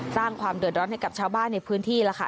สร้างความเดือดร้อนให้กับชาวบ้านในพื้นที่แล้วค่ะ